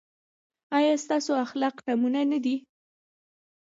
ایا ستاسو اخلاق نمونه نه دي؟